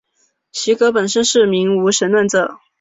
席格本身是名无神论者。